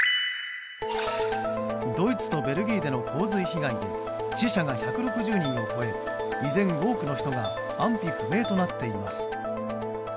ドイツとベルギーでの洪水被害で死者が１６０人を超え依然多くの人が安否不明となっています。